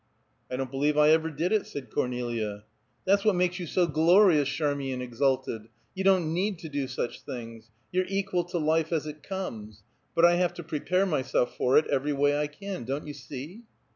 "I don't believe I ever did it," said Cornelia. "That's what makes you so glorious," Charmian exulted. "You don't need to do such things. You're equal to life as it comes. But I have to prepare myself for it every way I can. Don't you see?"